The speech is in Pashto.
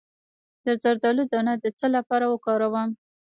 د زردالو دانه د څه لپاره وکاروم؟